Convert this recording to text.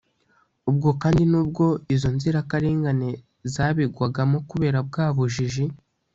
ubwo kandi nubwo izo nzirakarengane zabigwagamo kubera bwa bujiji,